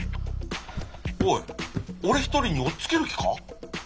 おいおれ１人に押っつける気か？